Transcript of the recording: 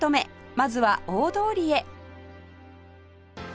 まずは大通りへ